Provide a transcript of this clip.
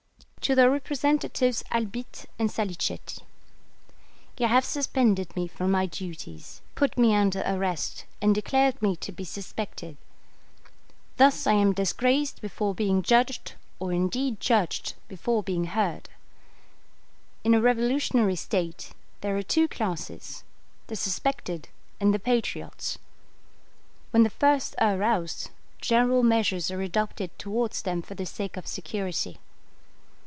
TO THE REPRESENTATIVES ALBITTE AND SALICETTI. You have suspended me from my duties, put me under arrest, and declared me to be suspected. Thus I am disgraced before being judged, or indeed judged before being heard. In a revolutionary state there are two classes, the suspected and the patriots. When the first are aroused, general measures are adopted towards them for the sake of security.